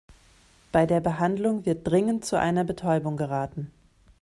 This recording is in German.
Bei der Behandlung wird dringend zu einer Betäubung geraten.